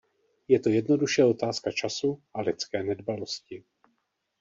Je to jednoduše otázka času a lidské nedbalosti.